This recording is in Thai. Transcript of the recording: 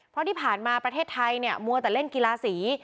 เพราะที่ผ่านมาประเทศไทยเนี่ยมัวแต่เล่นกีฬาสี